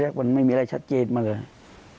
วันไม่มีอะไรชัดเจนมาเลย